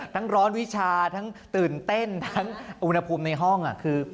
ร้อนวิชาทั้งตื่นเต้นทั้งอุณหภูมิในห้องคือ